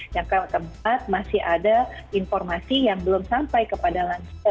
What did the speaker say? yang keempat masih ada informasi yang belum sampai kepada lansia